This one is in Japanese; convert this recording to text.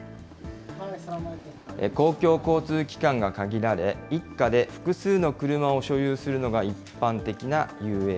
公共交通機関が限られ、一家で複数の車を所有するのが一般的なＵＡＥ。